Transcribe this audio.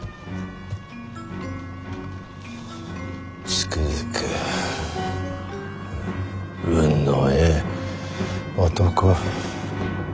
つくづく運のええ男。